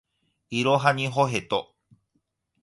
いろはにほへと